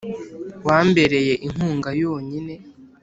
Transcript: wambereye inkunga yonyine